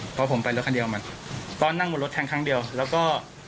พอผมไปรถคันเดียวมันตอนนั่งบนรถแทงครั้งเดียวแล้วก็